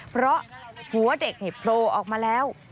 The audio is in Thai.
เพราะหัวเด็กโผล่ออกมาแล้ว